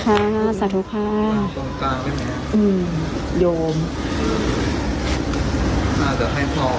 โอเคค่ะสาธุค่ะตรงกลางไว้ไหนอืมโยม